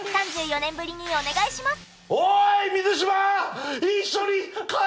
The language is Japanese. ３４年ぶりにお願いします！